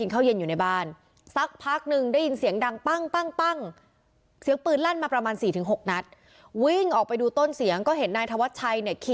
เขาเคยมีเรื่องอะไรกันมาก่อนบ้าง